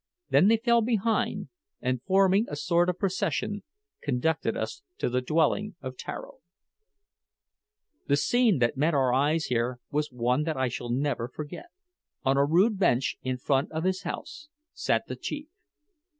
They then fell behind, and forming a sort of procession, conducted us to the dwelling of Tararo. The scene that met our eyes here was one that I shall never forget. On a rude bench in front of his house sat the chief.